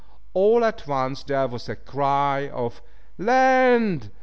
All at once there was a cry of "Land!"